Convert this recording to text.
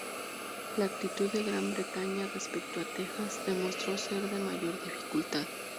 La actitud de Gran Bretaña respecto a Texas demostró ser de mayor dificultad.